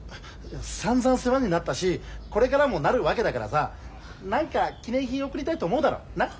さんざん世話になったしこれからもなるわけだからさ何か記念品贈りたいと思うだろなっ？